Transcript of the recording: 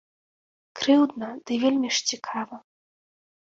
Крыўдна, ды вельмі ж цікава.